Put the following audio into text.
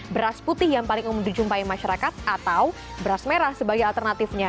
beras putih yang paling umum dijumpai masyarakat atau beras merah sebagai alternatifnya